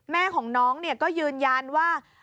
แม่ของน้องก็ยืนยันว่า